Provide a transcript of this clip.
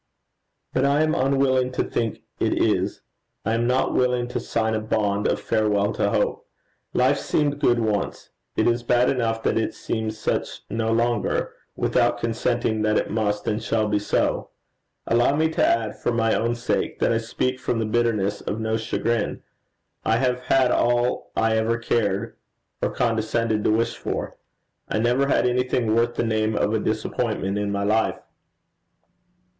'But I am unwilling to think it is. I am not willing to sign a bond of farewell to hope. Life seemed good once. It is bad enough that it seems such no longer, without consenting that it must and shall be so. Allow me to add, for my own sake, that I speak from the bitterness of no chagrin. I have had all I ever cared or condescended to wish for. I never had anything worth the name of a disappointment in my life.'